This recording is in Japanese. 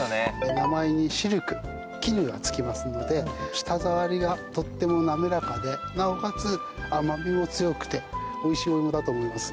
名前にシルクきぬがつきますので舌触りがとても滑らかでなおかつ甘味も強くておいしいお芋だと思います。